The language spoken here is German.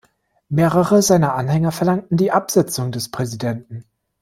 Mehrere seiner Anhänger verlangten die Absetzung des Präsidenten.